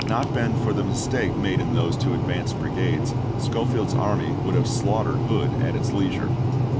not been for the mistake made in those two ad p 372, vanced brigades, Schofield's army would have slaughtered Hood's at its leisure.